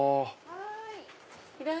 はい。